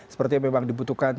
seperti yang memang dibutuhkan